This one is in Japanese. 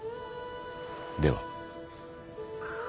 では。